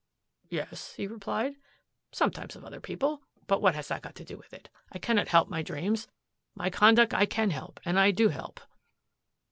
"Yes," he replied, "sometimes of other people. But what has that to do with it? I cannot help my dreams. My conduct I can help and I do help."